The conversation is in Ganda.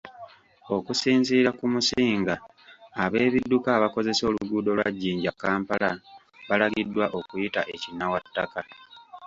Okusinziira ku Musinga ab'ebidduka abakozesa oluguudo lwa Jinja -Kampala, balagiddwa okuyita e Kinawataka